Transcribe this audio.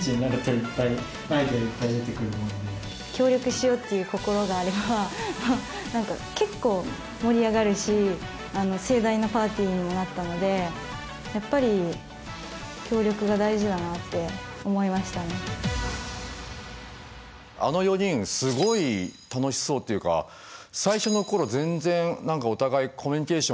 協力しようっていう心があれば何か結構盛り上がるし盛大なパーティーにもなったのでやっぱりあの４人すごい楽しそうっていうか最初の頃全然お互いコミュニケーション